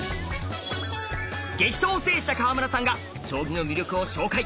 激闘を制した川村さんが将棋の魅力を紹介！